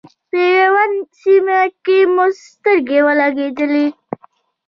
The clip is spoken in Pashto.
په میوند سیمه کې مو سترګې ولګېدلې.